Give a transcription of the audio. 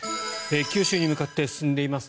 九州に向かって進んでいます